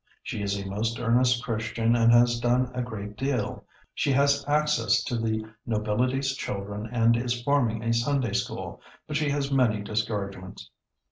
She is a most earnest Christian and has done a great deal. She has access to the nobility's children and is forming a Sunday School, but she has many discouragements.